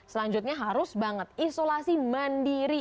selanjutnya harus banget isolasi mandiri